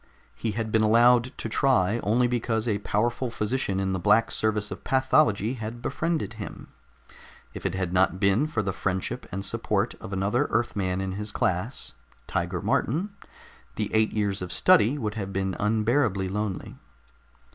He had been allowed to try only because a powerful physician in the Black Service of Pathology had befriended him. If it had not been for the friendship and support of another Earthman in the class, Tiger Martin, the eight years of study would have been unbearably lonely.